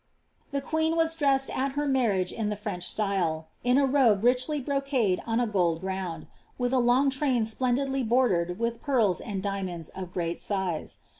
The queen was dressed at her marriage in the French style, in a rok richly brocaded on a gold ground, with a long train splendidly botdoed with pearls and dkmonds of great sine.